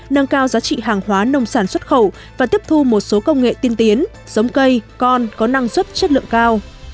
nâng cao giá trị hàng hóa nông sản xuất khẩu và tiếp thu một số công nghệ tiên tiến giống cây con có năng suất chất lượng cao